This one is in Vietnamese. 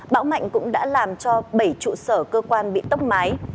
bão mạnh cũng đã làm cho bảy trụ sở cơ quan bị tốc mái